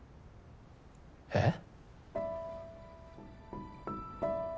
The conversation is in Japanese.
えっ？